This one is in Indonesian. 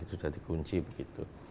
udah di kunci begitu